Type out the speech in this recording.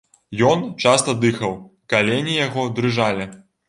Ён часта дыхаў, калені яго дрыжалі.